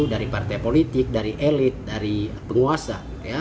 dari partai politik dari elit dari penguasa